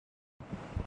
جو چیلنج موجود ہے۔